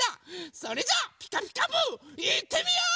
それじゃあ「ピカピカブ！」いってみよう！